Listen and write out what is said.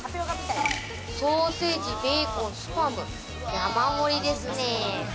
ソーセージ、ベーコンスパム、山盛りですね。